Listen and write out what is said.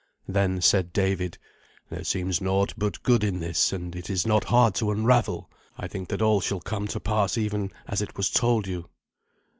Then said David, "There seems naught but good in this, and it is not hard to unravel. I think that all shall come to pass even as it was told you."